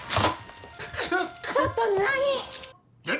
ちょっと何！